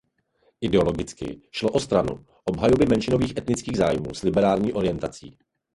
Ideologicky šlo o stranu obhajoby menšinových etnických zájmů s liberální orientací.